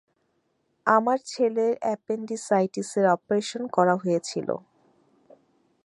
আমার ছেলের অ্যাপেনডিসাইটিসের অপারেশন করা হয়েছিলো।